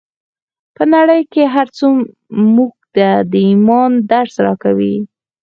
په نړۍ کې هر څه موږ ته د ايمان درس راکوي.